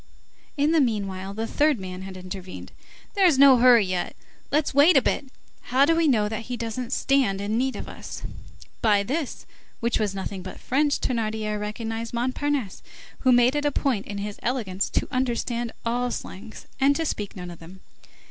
In the meanwhile, the third man had intervened. "There's no hurry yet, let's wait a bit. How do we know that he doesn't stand in need of us?" By this, which was nothing but French, Thénardier recognized Montparnasse, who made it a point in his elegance to understand all slangs and to speak none of them.